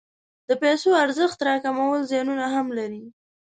د پیسو ارزښت راکمول زیانونه هم لري.